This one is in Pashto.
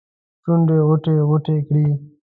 شونډې غوټې ، غوټې کړي